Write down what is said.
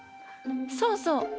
そうそう！